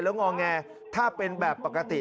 แล้วงอแงถ้าเป็นแบบปกติ